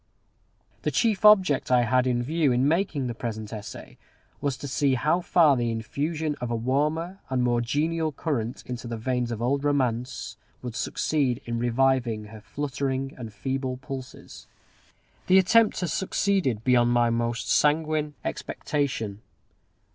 The chief object I had in view in making the present essay was to see how far the infusion of a warmer and more genial current into the veins of old Romance would succeed in reviving her fluttering and feeble pulses. The attempt has succeeded beyond my most sanguine expectation.